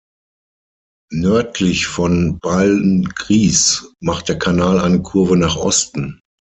Nördlich von Beilngries macht der Kanal eine Kurve nach Osten.